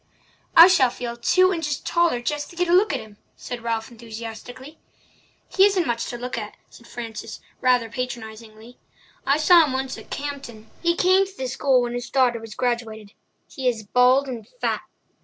"I shall feel two inches taller just to get a look at him," said Ralph enthusiastically. "He isn't much to look at," said Frances, rather patronizingly. "I saw him once at Campden—he came to the school when his daughter was graduated. He is bald and fat.